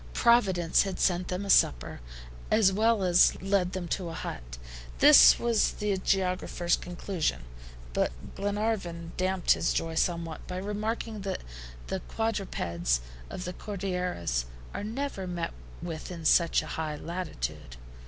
Providence had sent them a supper, as well as led them to a hut. This was the geographer's conclusion; but Glenarvan damped his joy somewhat by remarking that the quadrupeds of the Cordilleras are never met with in such a high latitude.